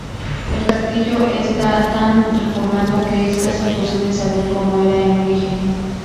El castillo está tan reformado que es casi imposible saber cómo era en origen.